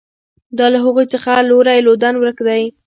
دا له هغوی څخه لوری لودن ورک کوي.